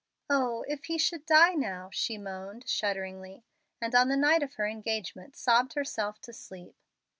"Oh, if he should die now!" she moaned, shudderingly, and on the night of her engagement sobbed herself to sleep.